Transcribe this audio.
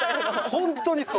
ホントにそう！